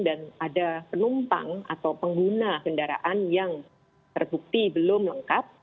dan ada penumpang atau pengguna kendaraan yang terbukti belum lengkap